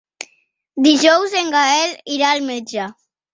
Dijous en Gaël irà al metge.